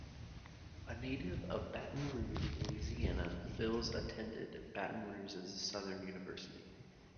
A native of Baton Rouge, Louisiana, Phills attended Baton Rouge's Southern University.